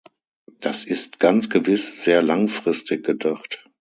Das ist ganz gewiss sehr langfristig gedacht.